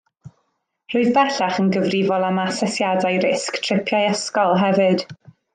Rwyf bellach yn gyfrifol am asesiadau risg tripiau ysgol hefyd.